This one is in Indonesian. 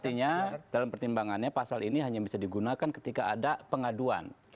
artinya dalam pertimbangannya pasal ini hanya bisa digunakan ketika ada pengaduan